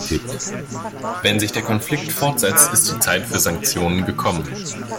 Wenn sich der Konflikt fortsetzt, ist die Zeit für Sanktionen gekommen.